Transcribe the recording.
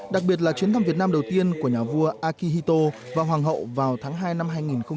đặc biệt là chuyến thăm việt nam đầu tiên của nhà vua akihito và hoàng hậu vào tháng hai năm hai nghìn hai mươi